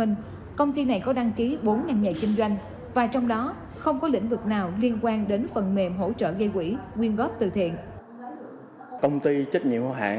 hãy đăng ký kênh để ủng hộ kênh của mình nhé